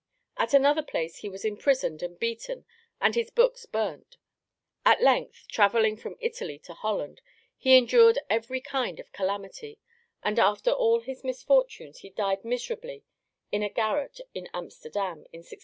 At another place he was imprisoned and beaten and his books burned. At length, travelling from Italy to Holland, he endured every kind of calamity, and after all his misfortunes he died miserably in a garret at Amsterdam, in 1684.